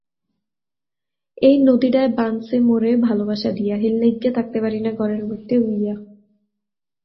এই নদীডায় বানছে মোরে ভালোবাসা দিয়া, হেইরলইগ্গা থাকতে পারিনা ঘরের মইদ্দে হুইয়া।